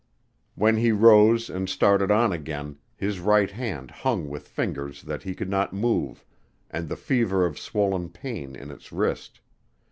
When he rose and started on again his right hand hung with fingers that he could not move and the fever of swollen pain in its wrist.